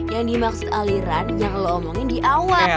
yang dimaksud aliran yang lo omongin di awal